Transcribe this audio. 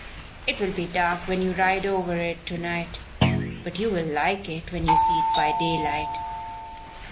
It will be dark when you ride over it to night; but you will like it when you see it by daylight."